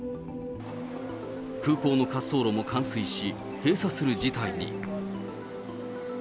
空港の滑走路も冠水し、閉鎖する事態に。